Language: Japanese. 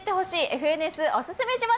ＦＮＳおすすめジモ